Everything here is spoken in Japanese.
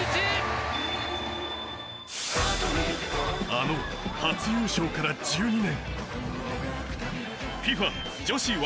あの初優勝から１２年。